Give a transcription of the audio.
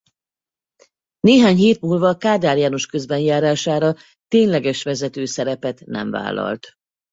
Néhány hét múlva Kádár János közbenjárására tényleges vezető szerepet nem vállalt.